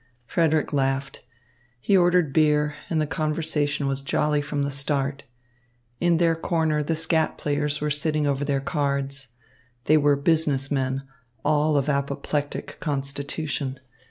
Frederick laughed. He ordered beer, and the conversation was jolly from the start. In their corner the skat players were sitting over their cards. They were business men, all of apoplectic constitution.